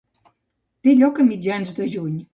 Té lloc a mitjans de juny.